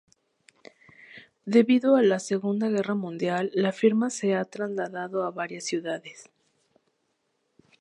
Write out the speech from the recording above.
Debido a la Segunda Guerra Mundial la firma se ha trasladado a varias ciudades.